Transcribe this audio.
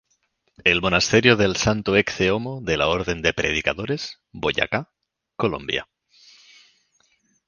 El monasterio del Santo Ecce-Homo de la Orden de Predicadores, Boyacá, Colombia.